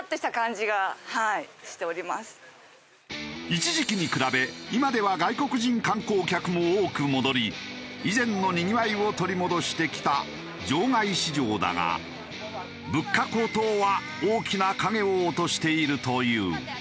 一時期に比べ今では外国人観光客も多く戻り以前のにぎわいを取り戻してきた場外市場だが物価高騰は大きな影を落としているという。